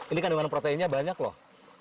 ini kan dengan proteinnya banyak loh